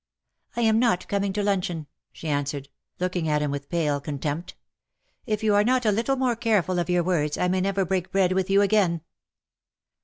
'' I am not coming to luncheon/'' she answered, looking at him with pale contempt. ^^ If you are not a little more careful of your words I may never break bread with you again."